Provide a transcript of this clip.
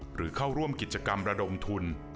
หรือเข้าร่วมกิจกรรมระดมทุน